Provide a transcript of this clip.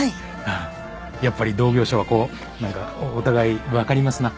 やっぱり同業者はこう何かお互い分かりますな。